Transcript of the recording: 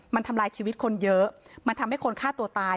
มันทำลายชีวิตคนเยอะมันทำให้คนฆ่าตัวตาย